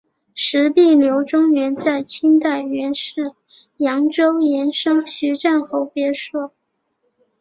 石壁流淙园在清代原是扬州盐商徐赞侯别墅。